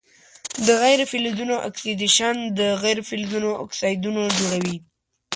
د غیر فلزونو اکسیدیشن د غیر فلزونو اکسایدونه جوړوي.